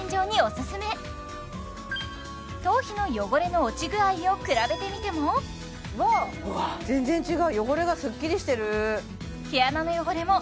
頭皮の汚れの落ち具合を比べてみてもうわっ全然違う汚れがスッキリしてる毛穴の汚れも